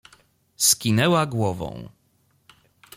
Skinęła głową.